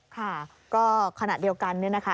ค่ะก็ขณะเดียวกันเนี่ยนะคะ